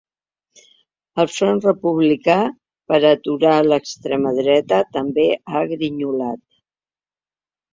El front republicà per a aturar l’extrema dreta també ha grinyolat.